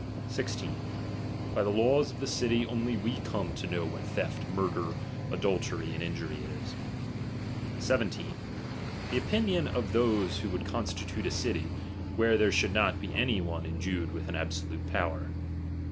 16. By the laws of the city only we come to know what theft, murder, adultery, and injury is. 17. The opinion of those who would constitute a city, where there should not be any one endued with an absolute power.